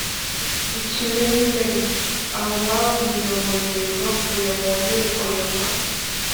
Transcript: ikimenyimenyi, ababuyoboye bavuye mu nkiko nyuma